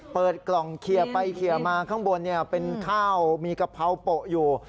เปิดกล่องเคลียร์ไปเคลียร์มาข้างบนเป็นข้าวมีกะเพราโปะอยู่